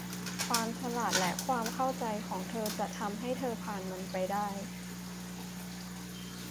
ความฉลาด และความเข้าใจของเธอจะทำให้เธอผ่านมันไปได้